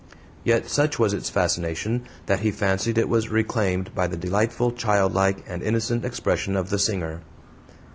Yet such was its fascination that he fancied it was reclaimed by the delightful childlike and innocent expression of the singer.